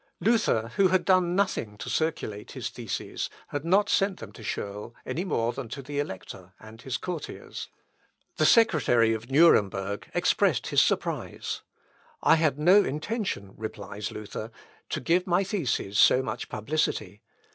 Luther, who had done nothing to circulate his theses, had not sent them to Scheurl any more than to the Elector and his courtiers. The secretary of Nuremberg expressed his surprise. "I had no intention," replies Luther, "to give my theses so much publicity.